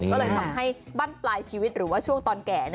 ก็เลยทำให้บ้านปลายชีวิตหรือว่าช่วงตอนแก่